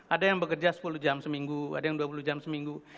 ada yang bekerja sepuluh jam seminggu ada yang dua puluh jam seminggu